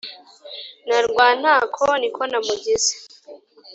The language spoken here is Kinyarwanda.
Na Rwantako niko namugize